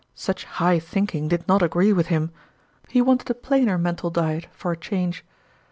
Such high think ing did not agree with him ; he wanted a plainer mental diet for a change.